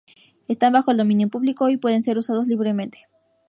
Están bajo el dominio público y pueden ser usados libremente.